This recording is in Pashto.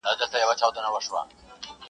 بله چي وي راز د زندګۍ لري.!